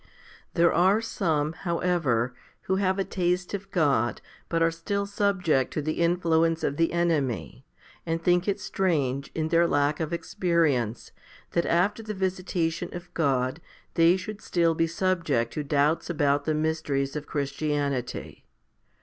3. There are some, however, who have a taste of God, but are still subject to the influence of the enemy, and think it strange, in their lack of experience, that after the visitation of God they should still be subject to doubts about the mysteries of Christianity.